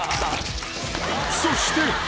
［そして］